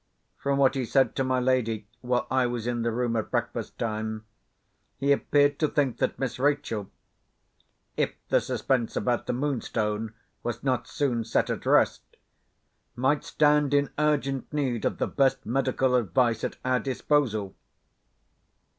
From what he said to my lady, while I was in the room at breakfast time, he appeared to think that Miss Rachel—if the suspense about the Moonstone was not soon set at rest—might stand in urgent need of the best medical advice at our disposal.